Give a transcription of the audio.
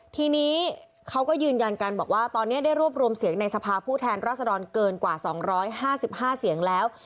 ทีนี้เขาก็ยืนยันกันบอกว่าตอนนี้ได้รวบรวมเสียงในสภาพผู้แทนราษฎรเกินกว่า๒๕๕เสียงแล้ว